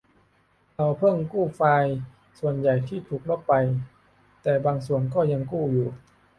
เราเพิ่งกู้ไฟล์ส่วนใหญ่ที่ถูกลบไป แต่บางส่วนก็ยังกู้อยู่